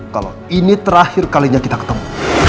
kalau ini terakhir kalinya kita ketemu